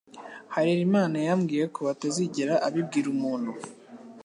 Harerimana yambwiye ko atazigera abibwira umuntu